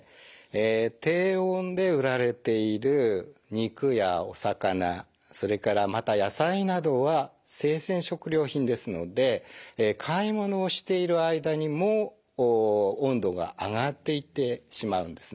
低温で売られている肉やお魚それからまた野菜などは生鮮食料品ですので買い物をしている間にも温度が上がっていってしまうんですね。